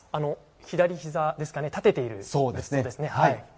左ひざですかね立てている仏像ですね。